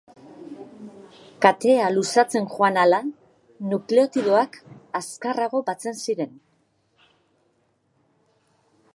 Katea luzatzen joan ahala nukleotidoak azkarrago batzen ziren.